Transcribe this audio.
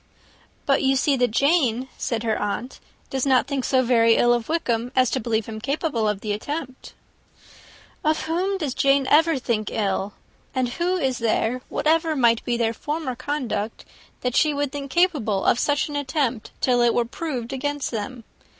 "But you see that Jane," said her aunt, "does not think so ill of Wickham, as to believe him capable of the attempt." "Of whom does Jane ever think ill? And who is there, whatever might be their former conduct, that she would believe capable of such an attempt, till it were proved against them?